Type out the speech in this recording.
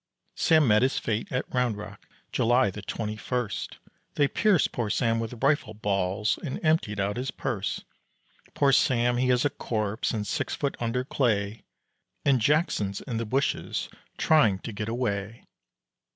Sam met his fate at Round Rock, July the twenty first, They pierced poor Sam with rifle balls and emptied out his purse. Poor Sam he is a corpse and six foot under clay, And Jackson's in the bushes trying to get away.